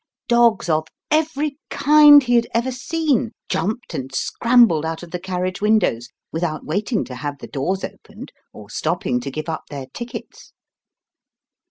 Dogs of every kind he had ever seen jumped and scrambled out of the carriage win dows without waiting to have the doors opened or stopping to give up their tickets.